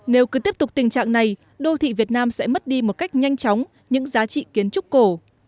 nếu cứ tiếp tục tình trạng này đô thị việt nam sẽ mất đi một cách nhanh chóng những giá trị kiến trúc cổ